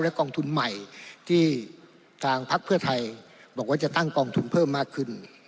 กองทุนใหม่ที่ทางพักเพื่อไทยบอกว่าจะตั้งกองทุนเพิ่มมากขึ้น